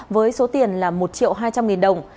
với số tiền là một triệu hai trăm linh nghìn đồng